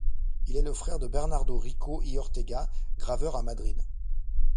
Il est le frère de Bernardo Rico y Ortega, graveur à Madrid.